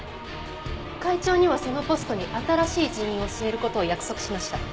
会長にはそのポストに新しい人員を据える事を約束しました。